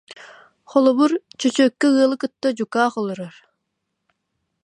Холобур, чөчүөккэ ыалы кытта дьукаах олорор